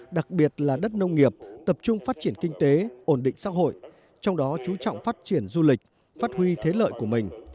đặc biệt là đất nông nghiệp tập trung phát triển kinh tế ổn định xã hội trong đó chú trọng phát triển du lịch phát huy thế lợi của mình